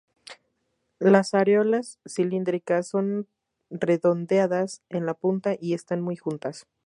Las areolas cilíndricas son redondeadas en la punta y están muy juntas.